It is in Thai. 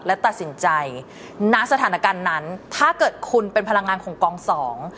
และตัดสินใจณสถานการณ์นั้นถ้าเกิดคุณเป็นพลังงานของกองสอง